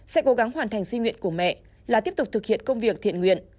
sẽ cố gắng hoàn thành di nguyện của mẹ là tiếp tục thực hiện công việc thiện nguyện